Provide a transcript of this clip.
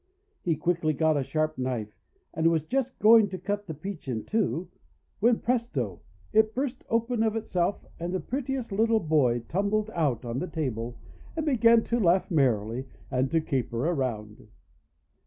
He quickly got a sharp knife, and was just going to cut the Peach in two, when, presto! it burst open of itself, and the prettiest little boy tumbled out on the table, and began to laugh merrily, and to caper around.